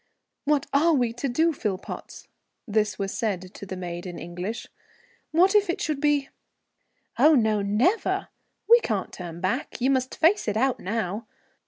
"What are we to do, Philpotts?" This was said to the maid in English. "What if it should be " "Oh, no, never! We can't turn back. You must face it out now.